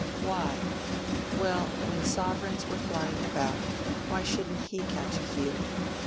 Why? Well, when sovereigns were flying about, why shouldn't he catch a few?